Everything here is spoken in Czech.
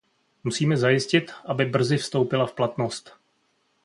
Musíme zajistit, aby brzy vstoupila v platnost.